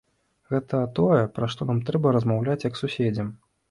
Гэта тое, пра што нам трэба размаўляць як суседзям.